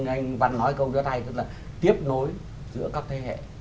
anh văn nói câu cho thay tức là tiếp nối giữa các thế hệ